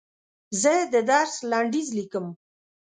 زه د درس لنډیز لیکم.